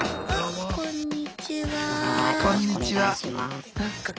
あこんにちは。